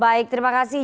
baik terima kasih